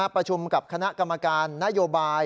ประชุมกับคณะกรรมการนโยบาย